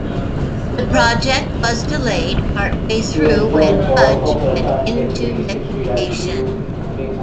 The project was delayed part way through when Budge went into liquidation.